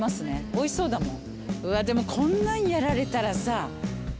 美味しそうだもん。